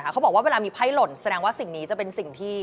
เขาบอกว่าเวลามีไพ่หล่นแสดงว่าสิ่งนี้จะเป็นสิ่งที่